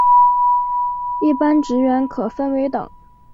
一般职员可分为等。